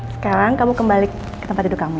sekarang kamu kembali ke tempat hidup kamu ya